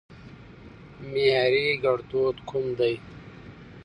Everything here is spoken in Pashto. معياري ګړدود کوم دي؟